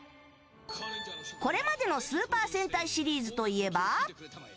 これまでのスーパー戦隊シリーズといえば。